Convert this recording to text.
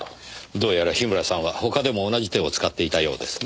どうやら樋村さんは他でも同じ手を使っていたようですね。